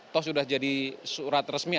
toh sudah jadi surat resmi